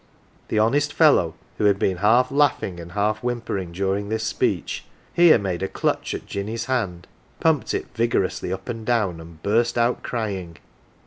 The honest fellow, who had been half laughing and half whimpering during this speech, here made a clutch at Jinny's hand, pumped it vigorously up and down, and burst out crying.